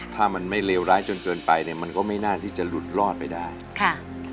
ถ้ามันไม่เลวร้ายจนเกินไปเนี่ยมันก็ไม่น่าที่จะหลุดรอดไปได้ค่ะ